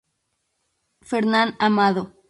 Fernán Amado.